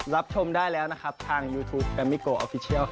รับชมได้แล้วนะครับทางยูทูปแรมมิโกออฟฟิเชียล